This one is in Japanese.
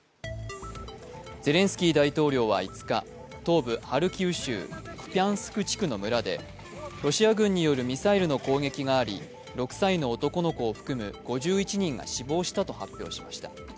ゼレンスキー大統領は５日、東部ハルキウ州クピャンスク地区の村でロシア軍によるミサイルの攻撃があり６歳の男の子を含む５１人が死亡したと発表しました。